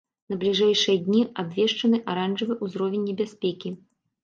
На бліжэйшыя дні абвешчаны аранжавы ўзровень небяспекі.